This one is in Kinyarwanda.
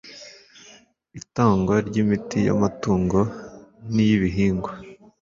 itangwa ry imiti y amatungo n iy ibihingwa